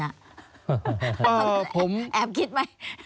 แอบคิดไหม